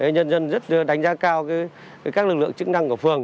nhân dân rất đánh giá cao các lực lượng chức năng của phường